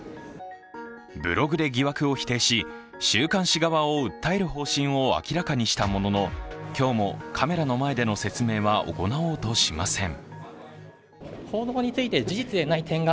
ブログで疑惑を否定し、週刊誌側を訴える方針を明らかにしたものの今日もカメラの前での説明は行おうとはしません。